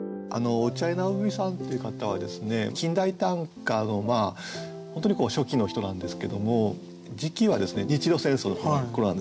落合直文さんっていう方はですね近代短歌の本当に初期の人なんですけども時期は日露戦争の頃なんですね。